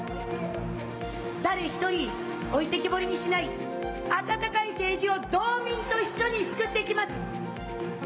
誰一人、置いてきぼりにしない、あたたかい政治を道民と一緒につくっていきます。